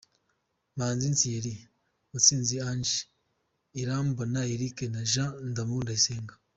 Manzi Thierry, Mutsinzi Ange, Irambona Eric na Jean D’Amour Ndayisenga.